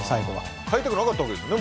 買いたくなかったわけですよね？